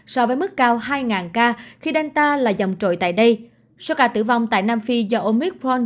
so với mức cao hai ca khi delta là dòng trội tại đây số ca tử vong tại nam phi do omicron